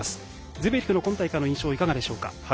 ズベレフの今大会の印象はいかがですか。